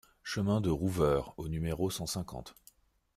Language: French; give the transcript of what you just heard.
Chemin de Rouveure au numéro cent cinquante